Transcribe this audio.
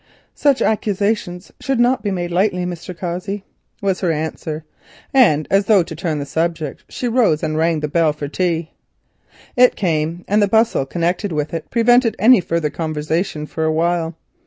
"Such accusations should not be lightly made, Mr. Cossey," was her answer, and, as though to turn the subject, she rose and rang the bell for tea. It came, and the bustle connected with it prevented any further conversation for a while.